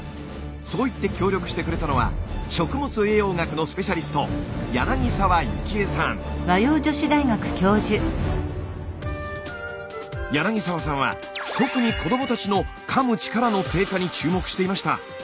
そう言って協力してくれたのは食物栄養学のスペシャリスト柳沢さんは特に子どもたちのかむ力の低下に注目していました。